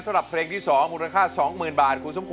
สำหรับเพลงที่สองมูลค่าสองหมื่นบาท